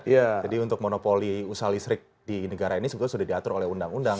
jadi untuk monopoli usaha listrik di negara ini sebetulnya sudah diatur oleh undang undang